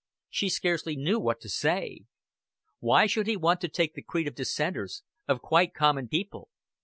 She scarcely knew what to say. Why should he want to take the creed of dissenters, of quite common people?